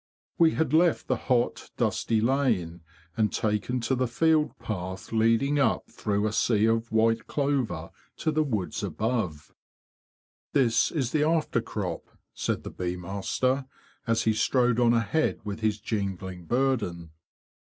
We had left the hot, dusty lane, and taken to the field path leading up through a sea of white clover to the woods above. THE BEE HUNTERS 75 "This is the after crop,'"' said the bee master, as he strode on ahead with his jingling burden.